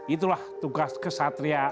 itulah tugas kesatria